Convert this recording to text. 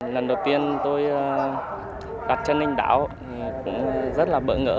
lần đầu tiên tôi đặt chân anh đảo cũng rất là bỡ ngỡ